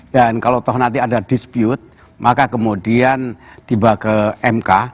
dan kalau tahu nanti ada dispute maka kemudian dibawa ke mk